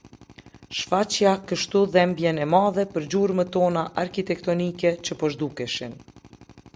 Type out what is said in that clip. Shfaqja kështu dhembjen e madhe për gjurmët tona arkitektonike që po zhdukeshin.